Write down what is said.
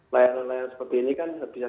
layanan layanan seperti ini kan bisa